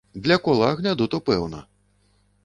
Для кола агляду то пэўна!